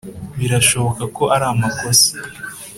birashoboka ko ari amakosa